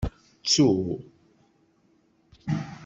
Ttu.